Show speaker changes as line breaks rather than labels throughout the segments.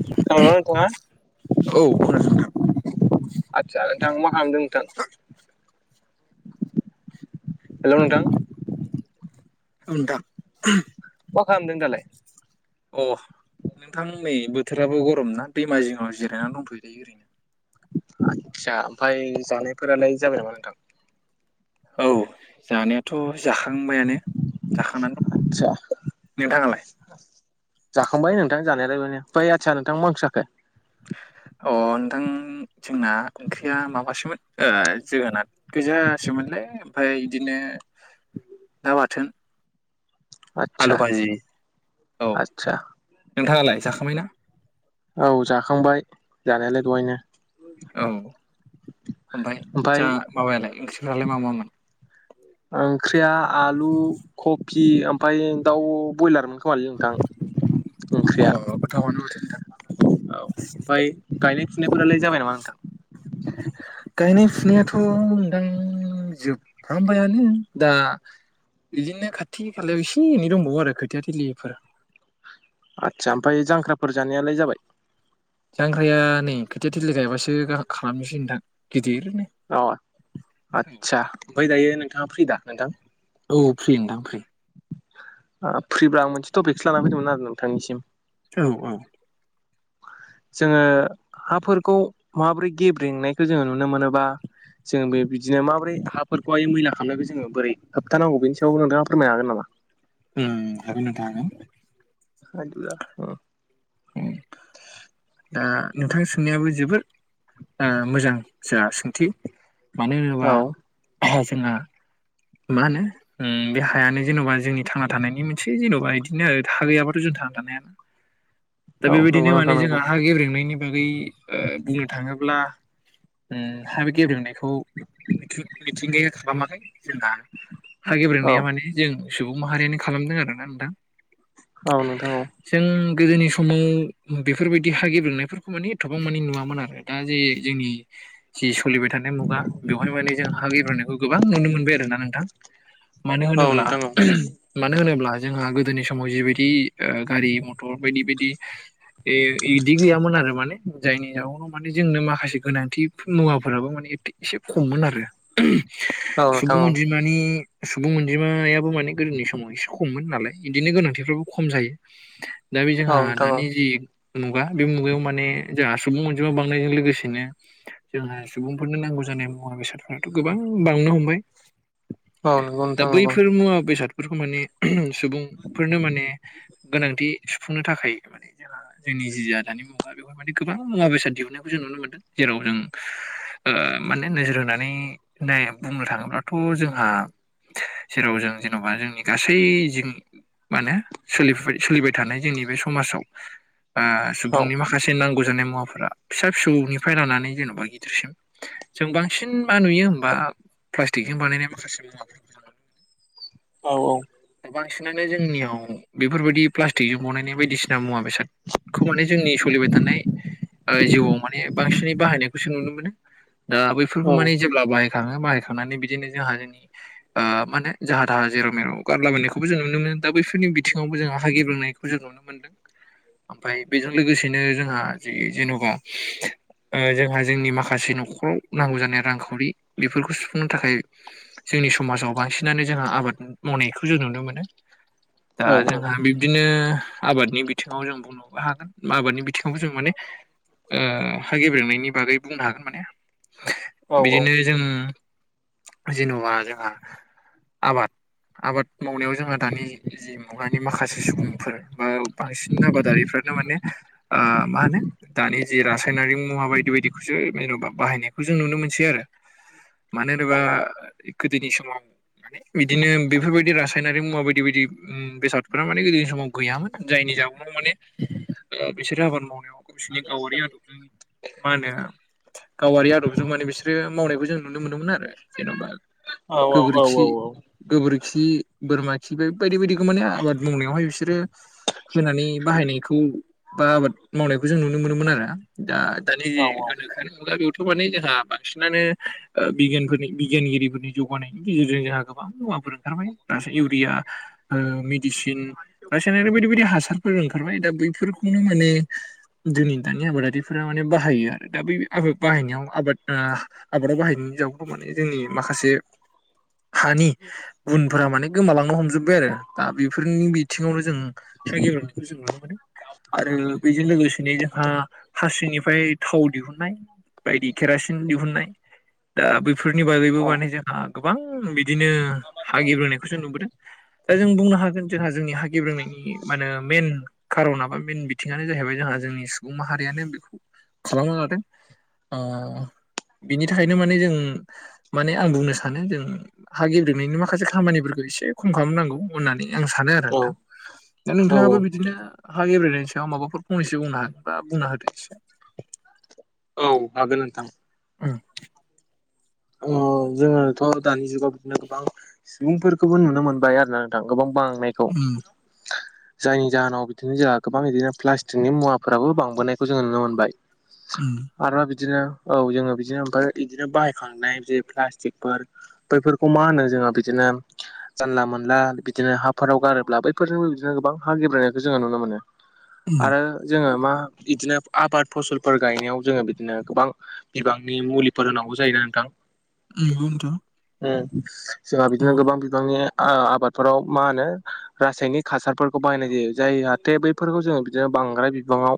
[unintelligible]
औ खोनादों
आदसा नोंथां मा खालामदों नोंथां हेलौ नोंथां
औ नोंथां
मा खालामदों दालाय
अ नोंथां नै बोथोराबो गरम ना दैमा जिङाव जिरायनानै दंथ'यो नै ओरैनो
आस्सा ओमफाय जानायफोरालाय जाबाय नामा नोंथां
औ जानाय थ' जाखांबायानो जाखांनानै
आदसा
दङ नोंथाङालाय
जाखांबाय नोंथां जानायलायबाय [unintelligible] आदसा नोंथां माो जाखो
अ नोंथां जोंना ओंख्रिया माबासोमोन जोगोनार गोजासोमोनलाय ओमफ्राय बिदिनो [unintelligible] बाथोन
आदसा
आलु भाजि औ
आदसा
नोंथाङालाय जाखांबाय ना
औ जाखांबाय जानायालाय दहायनो
औ ओमफ्राय जा माबायालाय ओंख्रिफ्रालाय मा मामोन
ओंख्रिया आलु कफि ओमफ्राय दाउ ब्रयलारमोन खोमालै नोंथां ओंख्रिया
अ गोथावानो माथो नोंथां
औ ओमफ्राय गायनाय फुनायफोरालाय जाबाय नामा नोंथां
गायनाय फुनायाथ'नोंथां जोबफ्रामबायानो दा इदिनो खाथि खालायाव एसे एनै दंबावो आरो खोथिया थलिफोर
आदसा ओमफ्राय जांख्राफोर जानायालाय जाबाय
जांख्राया नै खोथिया थिलि गायबासो खालामनोसै नोंथां गिदिरनो
अ आदसा ओमफ्राय दायो नोंथाङा फ्रि दा नोंथां
औ फ्रि नोंथां फ्रि
ओ फ्रिब्रा आं मोनसे टपिकसो लानानानै फैदोंमोन आरो नोंथांनिसिम
औ औ
[inaudible] जोङो हाफोरखौ माबोरै गेब्रेेंनायखौ जोङो नुनो मोनोबा जोंङो बे बिदिनो माबोरै हाफोरखौहाय मैला खालामनायखौ जोङो बोरै होबथानांगौ बेनि सायावबो नोंथाङा फोरमायनो हागोन नामा
उम हागोन नोंथां हागोन
[unintelligible]
उम दा नोंथां सोंनायाबो जोबोद मोजां जा सोंथि मानो
औ
होनोबा जोंहा मा होनो उम बे हायानो जेन'बा जोंनि थांना थानायनि मोनसे जेन'बा इदिनो आरो हा गैयाबाथ' जों थांना थानो हखयाना
[inaudible]
दा
नंगौ
बेबायदिनो
नोंथां
माने
नंगौ
जोंहा हा गेब्रेंनायनि बागै ओ बुंनो थाङोब्ला उम हा बे गेब्रेंनायखौ मिथिंगाया जोंना हा
औ
गेब्रेंनाया माने जों सुबुं माहारियानो खालामदों आरोना नोंथां
औ नोंथां औ
जों गोदोनि समाव बेफोरबायदि हा गेब्रेंनायफोरखौ माने एथबां माने नुवामोन आरो दा जे जोंनि जि सोलिबाय थानाय मुगा बेवहाय माने जों हा एब्रोननायखौ गोबां नुनो मोनदों आरोना नोंथां मानो
औ
होनोब्ला
नोंथां औ
मानो होनोब्ला जोंहा गोदोनि समाव जिबायदि गारि ओ मथर बायदि बायदि इदि गैयामोन आरो माने जायनि जउनाव माने जोंनो माखासे गोनांथि मुवाफोराबो माने एसे खममोन आरो
औ नोंथां
सुबुं अनजिमा नि सुबुं अनजिमायाबो माने गोदोनि समाव एसे खममोन नालाय इदिनो गोनांथिफ्राबो खम जायो
[inaudible]
दा बे जोंहा
औ नोंथां औ
दानि जि मुगा बे मुगायाव माने जोंहा सुबुं अनजिमा बांनायजों लोगोसेनो जोंहा सुबुंफोरनो नांगौ जानाय मुवा बेसादफोराथ' गोबां बांनो हमबाय
औ नंगौ
दा
नोंथां नंगौ
बैफोर मुवा बेसादफोरा सुबुंफोरनो माने गोनांथि सुफुंनो थाखाय जोंनि जि जा दानि मुगा बेफोरबायदि गोबां मुवा बेसाद दिहुननायखौ जों नुनो मोनदों। जेराव जों माने नोजोर होनानै नाय बुंनो थाङोब्ला। थ' जोंहा जेराव जों जेनेबा जोंनि गासै जों माने सोलिफु सोलिबाय थानाय जोंनि बे समाजाव
औ
सुबुंनि माखासे माखासे नांगौ जानाय मुवाफोरा फिसा फिसौनिफ्राय लानानै जेन'बा गिदिरसिम जों बांसिन मा नुयो होमबा। थेग बानायनाय
औ औ।
दा बांसिनानो जोंनियाव बेफोरबायदि प्लास्टिकजों बनाय बायदिसिना मुवा बेसाद। खौ माने जोंनि सोलिबाय थानाय जिउआव माने बांसिनै बाहायनायखौसो नुनो मोनो। दा
औ
बेैफोरखौ माने। जेब्ला बाहायखाङो बाहायखांनानै बिदिनो जोंहा जोंनि माने जाहा थाहा जेराव मेर'। गारलाबनायखौबो जों नुनो मोनो दा बैफोरनि बिथिङावबो जों हा गेबोंनायखौ जों नुनो ओमफ्राय बेजों लोगोसेनो जोंहा जि जेनेबा ओ जोंहा जोंनि माखासे न'खराव नांगौ जानाय रांखावरि बेफोरखौ सुफुंनो थाखाय जोंनि समाजाव बांसिनानो जोंहा आबाद मावनायखौ जों नुनो मोनो दा
औ
जोंहा बिब्दिनो आबादनि बिथिङाव जों बुंनोबो हागोन आबादनि बिथिङावबो जों माने ओम हा गेब्रेंनायनि बागै बुंनो हागोन माने
औ
बिदिनो जों जेन'बा जोंहा आबाद आबाद मावनायाव जोंहा दानि मुगानि माखासे सुबुंफोर बा बांसिन आबादारिफ्रानो माने ओ मा होनो दानि जे रासायनारिक मुवा बायदि बायदिखौसो जेन'बा बाहायनायखौ जों नुनो मोनसै आरो। मानो
औ
होनोबा गोदोनि समाव माने बिदिनो बेफोर बायदि रासायन ओंखायनो मुवा बायदि बायदि बेसादफोरा माने गोदोनि समाव गैयामोन जायनि जाहनाव माने बिसोरो आबाद मावनायाव बिसोरनि गावारि आदबजों मा होनो गावआरि आदबजों माने बिसोरो मावनायखौ जों नुनो मोनोमोन आरो जेन'बा।
औ औ औ
गोबोरखि
औ।
गोबोरखि बोरमा खि बे बायदि बायदिखौ माने आबाद मावनायावहाय बिसोरो। होनानै बाहायनायखौ बा आबाद मावनायखौ जों नुनो मोनोमोन आरो। द दानि जे गोदो थ माने जोंहा बांसिनानो बिगियानफोरनि बिगियानगिरिफोरनि जौगानायनि गेजेरजों जोंहा गोबां मुवाफोर ओंखारबाय द इउरिया मेडिसिन रासायनारि बायदि बायदि हासार फोर ओंखारबाय दा बैफोरखौनो माने जोंनि दानि आबादारिफोरा माने बाहायो आरो दा बै आबाद बाहायनायाव आबाद। आबादाव बाहायनायनि जााव माने जोंनि माखासे। हानि गुनफोरा माने गोमालांनो हमजोब्बाय आरो दा बेफोरनि बिथिङावनो जों सिनायखौ जों नुनो मोनो आरो बेजों लोगोसेनो जोंहा हासिनिफ्राय थाव दिहुननाय बायदि केरासिन दिहुननाय दा बे बेफोरनि बागैबो माने जोंहा गोबां बिदिनो हागिब्रोनायखौसो नुबोदों। दा जों बुंनो हागोन जोंहा जोंनि हागिब्रोंनायनि माने मेन खार'न बा मेन बिथिङानो जाहैबाय जोंहा जोंनि सुबुं माहारियानो बेखौ खालामना लादों। बिनि थाखायनो माने जों माने आं बुंनो सानो जों हा गेब्रेनायनि माखासे खामानिफोरखौ एसे खम खालामनांगौ। होननानै आं सानो आरो
औ
नोंथां दा नोंथाङाबो
औ
बिदिनो। हा गेब्रायनायनि सायाव माबाफोर फंैो बुंनो हागोन बा बुंना होदो।
औ हागोन नोंथां।
[inaudible]
औ जोङोथ' दानि जुगाव बिदिनो गोबां सुबुंफोरखौबो नुनो मोनबाय आरोना ओं गोबां बांनायखौ
उम
हो जायनि जाहोनाव बिदिनो जोंहा गोबां बिदिनो प्लास्टिकनि मुवाफोराबो बांबोनायखौ जोंङो नुनो मोनबाय
उम
आरोबा बिदिनो औ जोङो बिदिनो ओमफ्राय बिदिनो बाहायखांनाय बे प्लास्टिकफोर बैफोरखौ मा होनो जोहा बिदिनो जानला मोनला बिदिनो हाफोराव गारोब्ला बैफोरजों बो बिदिनो गोबां हा गेब्रेंनायखौ जोङो नुनो मोनो
उम
आरो जोङो मा इदिनो आबाद फसलफोर गायनायाव जोङो बिदिनो गोबां बिबांनि मुलिफोर होनांगौ जायोना नोंथां
उम नोंखौ नोंथां
उम जोंहा बिदिनो
औ
गोबां बिबांनि ओ आबादफोराव मा होनो रासायनिक हासारफोरखौ बाहायनाय जायो जाय जाहाथे बै फोरखौ जोङो बिदिनो बांद्राय बिबांआव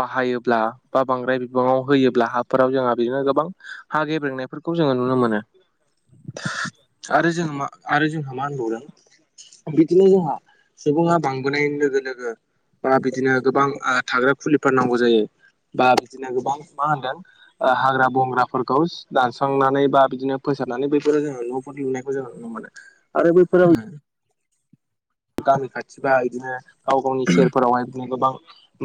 बाहायोब्ला बा बांद्राय बिबांआव होयोब्ला हाब फोराव जोंहा बिदिनो गोबां हा गेब्रेंनायफोरखौ जोङो नुनो मोनो आरो जों मा आरो जोंहा मा होनबावदों बिदिनो जोंहा सुबुंआ बांबोनाय लोगो लोगो बा बिदिनो गोबां ओ थाग्रा खुलिफोर नांगौ जायो बा बिदिनो गोबां मा होनदों ओ हाग्रा बंग्राफोरखौ सि दानस्रांनानै बा बिदिनो फोसाबनानै बैफोरो जोङो न'फोर लुनायखौ जोङो नुनो मोनो आरो बैफोर
ओं
गामि खाथिबा बिदिनो गाव गावनि सेरफोरावहाय बिनो गोबां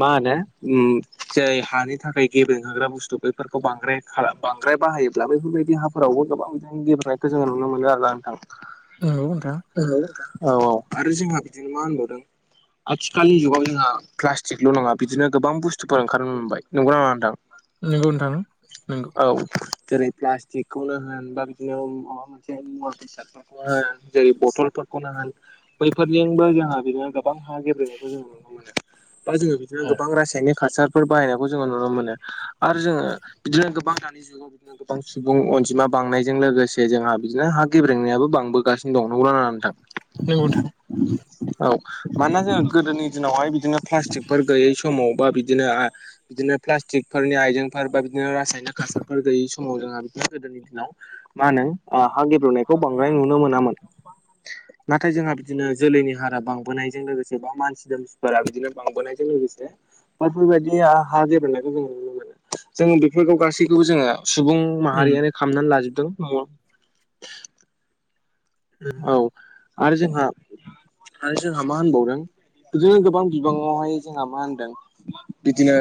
मा होनो उम जाय हानि थाखाय गेबें होग्रा बुस्थु बेफोरखौ बांद्राय बांद्राय बाहायोब्ला बेफोरबादि हाफोरावबो गोबां बिदिनो गेलब्रेंनायखौ जोङो नुनो मोनो आरो नोंथां
औ नोंथां
औ औ औ आरो जोंहा बिदिनो मा होनबावदों आथिखालनि जुगाव जोंहा प्लास्टिकल' नङा बिदिनो गोबां बुस्थुफोर ओंखारनो मोनबाय नंगौना नङा‌ नोंथां
नोंखौ नोंथां नोंगौ
औ जेरै प्लास्टिकखौनो होन बा बिदिनो माबा मोनसे मुवा बेसाद औ जायो बथलफोरखौनो होन बैफोरजोंबो जोंहा बिदिनो गोबां हा गेब्रेंनायखौ जों नुनो मोनो बा जोङो बिदिनो
औ
गोबां रासायनिक हासारफोर बाहायनायखौ जोङो नुनो मोनो आरो जोङो बिदिनो गोबां दानि जुगाव बिदिनो गोबां सुबुं अनजिमा बांनायजों लोगोसे जोंहा बिदिनो हा गेब्रेंनायाबो बांबो गासिनो दं नंगौना नङा नोंथां
औ नोंथां
औ मानोना जोङो गोदोनि दिनावहाय बिदिनो प्लास्टिकफोर गैयै समाव बा बिदिनो आ बिदिनो प्लास्टिकफोरनि आइजेंफोर बा बिदिनो रासायनिक हासारफोर गैयि समाव जोंहा बिदिनो गोदोनि दिनाव ओ मा होनो ओ हा गेब्रेंनायखौ बांद्राय नुनो मोनामोन नाथाय जोंहा बिदिनो जोलैनि हारा बांबोनायजों लोगोसे बा मानसि दोमसिफोरा बिदिनो बांबोनायजों लोगोसे बेफोरबायदि ओ हागेब्रेंनायखौ जोङो जोङो बेफोरखौ गासैखौबो जोङो सुबुं
उम
माहारिआनो खालामामनानै लाजोबदों उम
उम उम
आरो जोंहा आरो जोंहा मा होनबावदों बिदिनो गोबां बिबांआवहाय जोंहा मा होनदों बिदिनो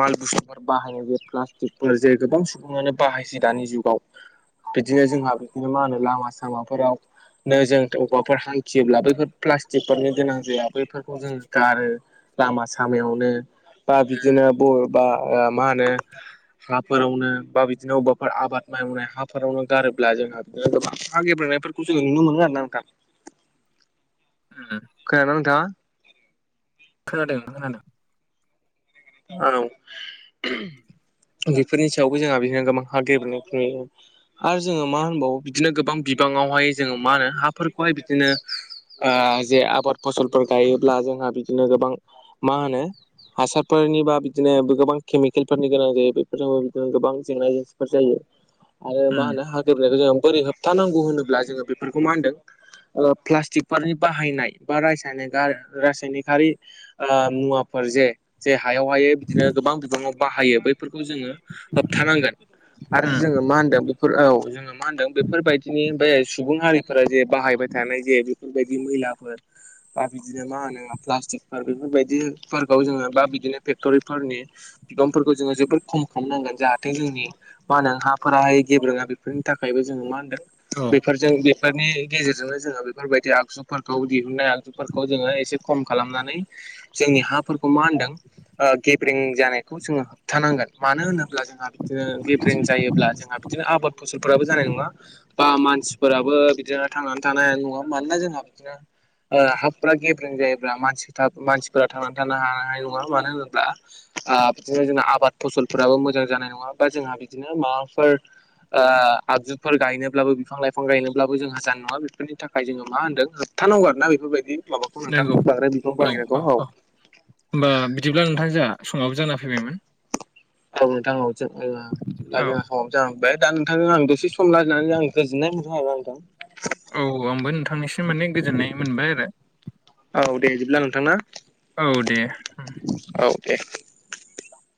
माल बुसथु बाहायनाय बे प्लास्टिकफोर जे गोबां सुबुंआनो बाहायसै दानि जुगाव बिदिनो जोंहा बिदिनो माहोनो लामा सामाफोराव नो जों ओबावबाफोर हांखियोब्ला बैफोर प्लास्टिकफोरनो गोनां जाया बैफोरखौ जोंङो गारो लामा सामायावनो बा बिदिनो बबेबा ओ मा होनो हाफोरावनो बा बिदिनो ओबावबाफोर आबाद मावनाय हाफोरावनो गारोब्ला जोंहा बिदिनो गोबां हा गेब्रेंनाय नों नुनो मोनगोन आरो ‌ना
ओं
खोनादोंना नोंथाङा
खोनादों खोनादों
औ बेफोरनि सायावबो जोंहा बिदिनो गोबां [unintelligible] आरो जोङो मा होनबावो बिदिनो गोबां बिबाङावहाय जोङो मा होनो हाफोरखौहाय बिदिनो ओ जे आबाद फसलफोर गायोब्ला जोंहा बिदिनो गोबां मा होनो हासार फोरनि बा बिदिनो गोबां केमिकेलफोरनि गोनां जायो बेफोरजोंबो बिदिनो गोबां जेंना जेंसिफोर जायो आरो मा
उम
होनो हागेब्रेंनायखौ जोङो बोरै होबथानांगौ होनोब्ला जोङो बेफोरखौ मा होनदों प्लास्टिकफोरनि बाहायनाय बा [unintelligible] रासायनिकारि ओ मुवाफोर जे जे हायाव हाय बिदिनो गोबां बिबाङाव बाहायो बैफोरखौ जोङो होबथानांगोन आरो
उम
जोङो मा होनदों बेफोर औ जों मा होनदों बेफोरबायदिनि बे सुबुं हारिफोरा जे बाहायबाय थानाय जे बेफोरबायदि मैलाफोर बा बिदिनो मा होनो प्लास्टिक बेफोरबायदिफोरखौ जोङो बा बिदिनो फेक्ट'रिफोरनि बिबांफोरखौ जोङो जोबोर खम खामनांगोन जाहाथे जोंनि मा होनदों हाफोराहाय गेब्रोङा बेफोरनि थाखायबो जोङो मा होनदों
औ
बेफोरजों बेफोरनि गेजेरजोंनो जोङो बेफोरबायदि आगजु फोरखौ दिहुननाय आगजुफोरखौ जोङो एसे खम खालामनानै जोंनि हाफोरखौ मा होनदों ओ गेब्रें जानायखौ जोङो होबथानांगोन मानो होनोब्ला जोंहा बिदिनो गेब्रें जायोब्ला जोंहा बिदिनो आबाद फसलफोराबो जानाय नङा बा मानसिफोराबो बिदिनो थांनानै थानाय नङा मानोना जोंहा बिदिनो ओ हाफ्रा गेब्रें जायोब्ला मानसिफोरा थांनानै थानो हानाय नङा मानो होनोब्ला आ बिदिनो जोंना आबाद फसलफोराबो मोजां जानाय नङा बा जोंहा बिदिनो माबाफोर ओ आगजुफोर गायनोब्लाबो बिफां लाइफां गायनोब्लाबो जोंहा जानाय नङा बेफोरनि थाखाय जोङो मा होनदों थाननांगौ आरोना बेफोरबायदि माबाखौ नोंथां
नंगौ
बाग्राय बिफां बाहायनायखौ औ
होमबा बिदिब्ला नोंथां जोंहा संमाबो जाना फैबायमोन
औ नोंथां औ जों ओ
औ
[unintelligible] जाहांबाय दा नोंथांनो आं दसे सम रायलायनानै आं गोजोननाय मोनदों हा नोंथां
औ आंबो नोंथांनिसिम माने गोजोननाय मोनबाय आरो
औ दे बिदिब्ला नोंथां ना
औ दे
औ दे